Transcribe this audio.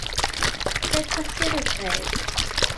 Lle prysur yw'r dref.